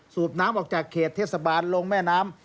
สูบน้ำออกจากเขตเทศบาลลงแม่น้ำ